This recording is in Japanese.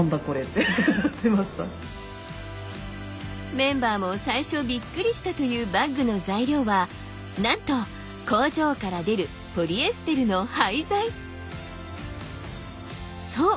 メンバーも最初びっくりしたというバッグの材料はなんと工場から出るそう！